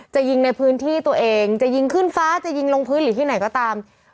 จะยิงในพื้นที่ตัวเองจะยิงขึ้นฟ้าจะยิงลงพื้นหรือที่ไหนก็ตาม